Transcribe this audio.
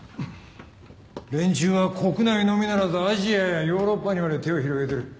連中は国内のみならずアジアやヨーロッパにまで手を広げてる。